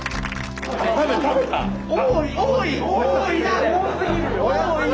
多い！